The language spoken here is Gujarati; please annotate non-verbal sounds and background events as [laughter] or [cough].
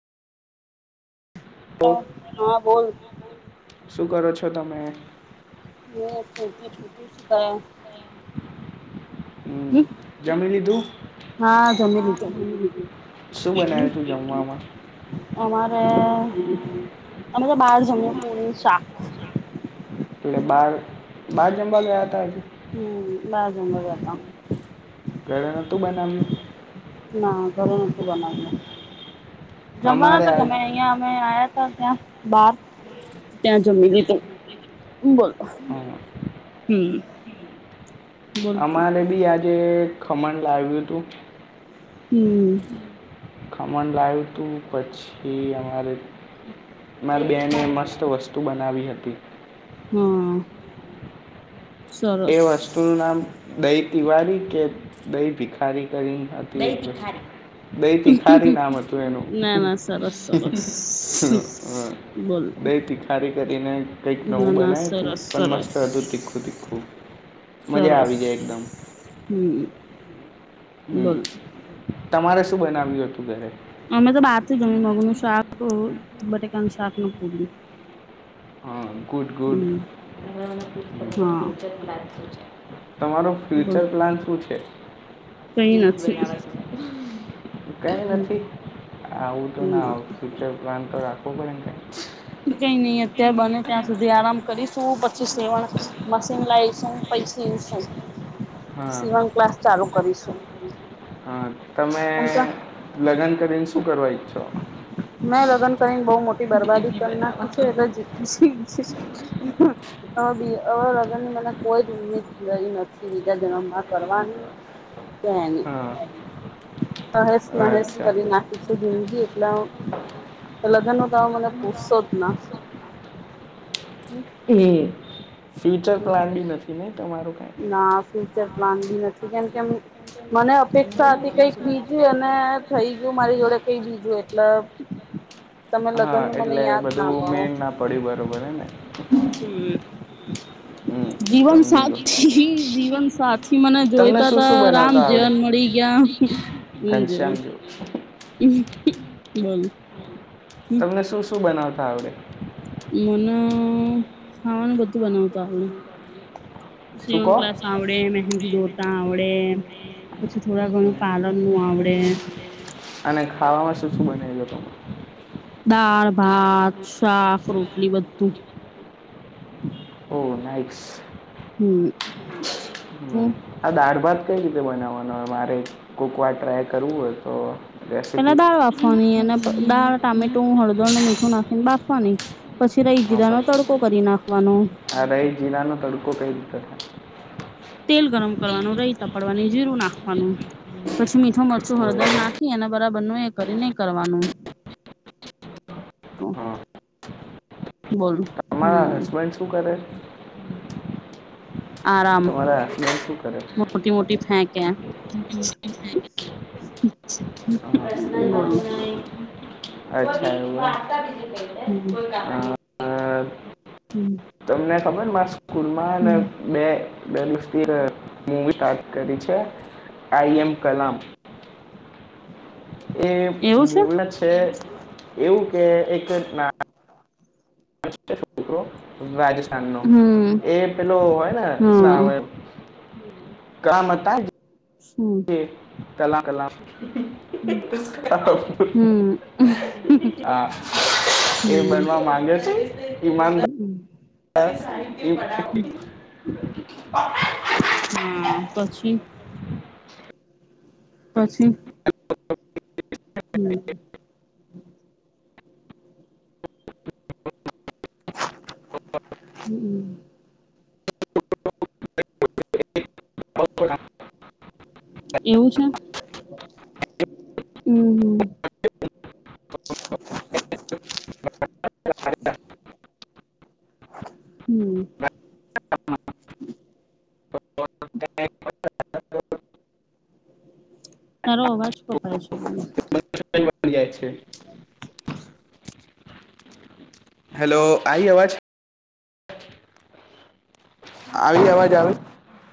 હ તો હા બોલ શું કરો છો તમે? [unintelligible] છુ. તુ શુ કરે? હમ્મ હમ જમી લીધું? હા જમી લીધું. શું બનાવ્યું હતું જમવામાં અમારે અમે તો બાર જમી પૂણી શાક. એટલે બાર બાર જમવા ગયા હતા આજે? હમ્મ બાજુમાં જ હતા. ઘરે નતુ બનાવ્યુ? ના ઘરે નથી બનાવ્યું. જમવાના અમારે તો આજ ગમે અહિયાં અમે આયા ત્યાં બાર ત્યાં જમી લીધું. હ બોલ હમ, હમ્મ. અમારે બી આજે ખમણ લાવ્યું તુ હમ્મ ખમણ લાવ તું. પછી અમારે મારી બેને મસ્ત વસ્તુ બનાવી હતી. હમ્મ. એ વસ્તુનું નામ દહી તિવારી કે દહી ભિખારી કહિ હતી. દહી તીખારી નામ હતું એનું. ના ના સરસ સરસ હ બોલ દહી તીખારી એરીને કઈક ના નવું ના બનાયતું સરસ પણ સરસ મસ્ત હતું તીખું તીખું મજા સરસ આવી જાય એકદમ. હમ હમ્મ. બોલ તમારે શું બનાવ્યું હતું ઘરે? અમે તો બાત એમને જમી મગ નું માથું મગજનું શાક શાક હતું. બટકાન શાક ન પૂડી. હા. Good good. હા તમારો બોલ ફ્યુચર પ્લાન શું છે? કઈ નથી [unintelligible] કઈ નથી આવું તો ના હો ફ્યુચર પ્લાન તો રાખ. [unintelligible] કઈ નઈ અત્યારે બને ત્યાં સુધી આરામ કરીસ. સું પછી સેવણ મશીન લાવીશું. પૈછીશું હા સીવન ક્લાસ ચાલુ કરીશું. હા તમે એમ તો લગ્ન કરીને શું કરવાય. મેં લગ્ન કરીને બહ મોટી બરબાદી કરી નાખી છે એટ લગ્નની મને કોઈ જ ઉમી નથી બીજા જન્મ માં કરવાનું. હા તહેસ નહેસ અચ્છા કરી નાખી. જિંદગી એટલે લગ્ન તો મને પૂછશો જ ના હ. એ ફ્યુચર પ્લાન બી નથીને? ના ફ્યુચર પ્લાન બી નથી કેમ કે મને અપેક્ષા હતી કંઈક બીજી અને થઈ ગયું મારી જોડે કઈ બીજું એટલે તમે હા લગ્ન નું મને એટલે યાદ ના બધું પાડો મેન ના પડ્યું બરોબર હેને. હમ હમ્મ જીવન સમજી ગયો. જીવન સાથી મને તમને જોઈતા શું તા શું રામ બનાવતા આવડે જેવા ને મળી ગયા [inaudible] ઘનશ્યામ જેવાં. જો બોલો? તમને શું શું? શું બનાવતા આવડે? મને ખાવાનું બધું બનાવતા આવડે. શું કહો સીવણક્લાસ આવડે, મહેંદી દોરતા આવડે, પછી થોડા હમ. ઘણું પાર્લરનું આવડે. અને ખાવામાં શું શું બનાવી લો તમે દાળ, ભાત, શાક, રોટલી બધું [inaudible] ઓ નાઇક્સ હમ્મ. હમ્મ, આ દાળ ભાત કઈ રીતે બનાવાના હોય, મારે કોક વાર ટ્રાય કરવું હોય તો પેલા રેસીપી દાળ બાફવાની અને દાળ, ટામેટું, હળદરને મીઠું નાખીને બાફવાની, પછી રાઈ હા જીરાનો તડકો પછી કરી નાખવાનો. આ રહી જીરાનો તડકો [inaudible] [inaudible] તેલ ગરમ કરવાનું રઈ તપ પડવાની જીરું નાખવાનું પછી મીઠું, મરચું, એવું હળદર નાખી અને બરાબર નો એ કરે ને કરવાનું તો હા બોલું તમારા હમ હસબન્ડ શું કરે? [inaudible] આરામ, તમારા હસબન્ડ શું કરે મોટી મોટી ફેંકે, હા એવું બોલ અચ્છા એવું હે હમ [inaudible] હમ્મ. તમને ખબર માર સ્કૂલમાં હેને બે બે દિવસ તીર મુવી તાત કરી છે. આઈ એમ કલામ એ મૂલ છે, એવું કે એક જ ના [unintelligible] રાજસ્થાનના હમ એ પેલો હોયને શું હા આવે કામ હતા. શું? કલા કલા હમ હા, એ બનવા માંગે છે. [unintelligible] હમ્મ. [unintelligible] હા પછી [unintelligible] પછી હમ હમ [unintelligible] એવું છે હમ હમ હમ [inaudible] તારો અવાજ કપાય છે. [unintelligible] હેલો આઈ અવાજ આવી અવાજ [unintelligible]